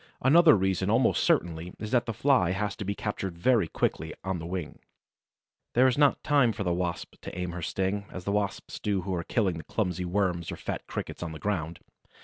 Another reason almost certainly is that the Fly has to be captured very quickly, on the wing. There is not time for the Wasp to aim her sting, as the Wasps do who are killing clumsy Worms or fat Crickets on the ground.